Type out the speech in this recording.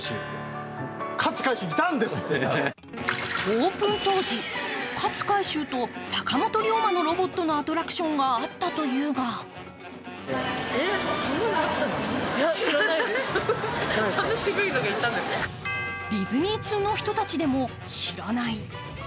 オープン当時、勝海舟と坂本龍馬のロボットのアトラクションがあったというがディズニー通の人でも知らない。